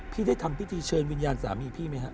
พี่ได้ทำพิธีเชิญวิญญาณสามีพี่ไหมฮะ